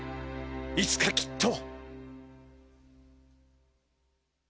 いつかきっと。